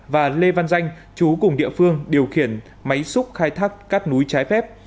và lê văn danh chú cùng địa phương điều khiển máy xúc khai thác cát núi trái phép